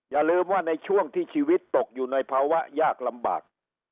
อย่าลืมว่าในช่วงที่ชีวิตตกอยู่ในภาวะยากลำบาก